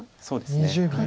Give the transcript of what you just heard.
そうですね。